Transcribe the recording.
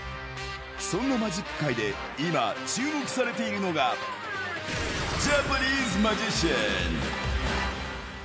そんなマジック界で今、注目されているのが、ジャパニーズマジシャン。